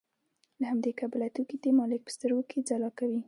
له همدې کبله توکي د مالک په سترګو کې ځلا کوي